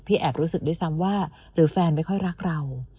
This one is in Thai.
แอบรู้สึกด้วยซ้ำว่าหรือแฟนไม่ค่อยรักเรา